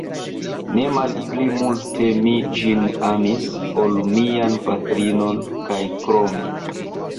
Ne malpli multe mi ĝin amis, ol mian patrinon, kaj krome.